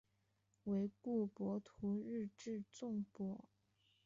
惟故博徒日至纵博。